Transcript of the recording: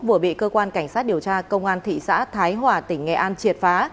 vừa bị cơ quan cảnh sát điều tra công an thị xã thái hòa tỉnh nghệ an triệt phá